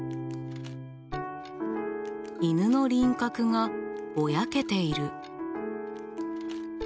犬の輪郭がぼやけている。